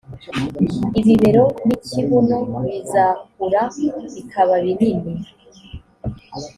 ibibero n ikibuno bizakura bikaba binini